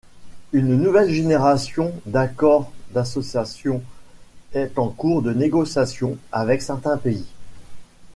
Une nouvelle génération d'accords d'association est en cours de négociation avec certains pays.